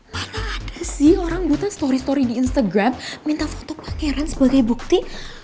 mana ada sih orang buta story story di instagram minta foto pangeran sebagai bukti